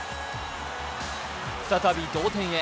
再び同点へ。